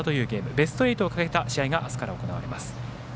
ベスト１６をかけた試合があすから行われます。